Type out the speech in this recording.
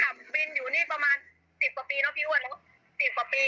บินอยู่นี่ประมาณสิบกว่าปีเนอะพี่อ้วน๑๐กว่าปี